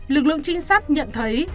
lực lượng trinh sát nhận thấy